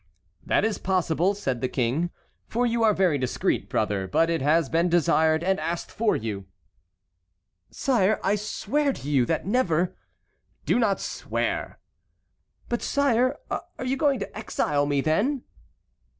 "That is possible," said the King, "for you are very discreet, brother; but it has been desired and asked for you." "Sire, I swear to you that never"— "Do not swear." "But, sire, are you going to exile me, then?"